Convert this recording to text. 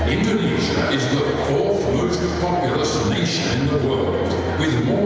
indonesia adalah negara populasi keempat terbesar di dunia